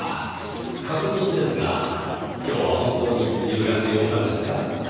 確認ですが今日は本当に１０月８日ですか？